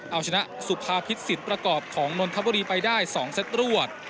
เอาชนะสุภาพิษศิษย์ประกอบของนนทบุรีไปได้๒เซตรวด